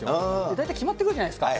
大体決まってくるじゃないですか。